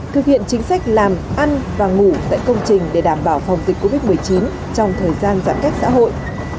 thực hiện chính sách làm ăn và ngủ tại công trình để đảm bảo phòng dịch covid một mươi chín trong thời gian giãn cách xã hội